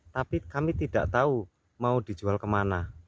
tapi kami tidak tahu mau dijual kemana